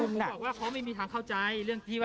เขาบอกว่าเขาไม่มีทางเข้าใจเรื่องที่ว่า